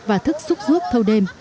và thức xuất ruốc thâu đêm